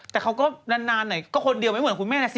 แต่เขาก็นานไหนก็คนเดียวไม่เหมือนคุณแม่นะสิ